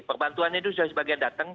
perbantuannya itu sudah sebagian datang